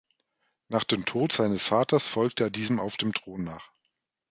Nach dem Tode seines Vaters folgte er diesem auf den Thron nach.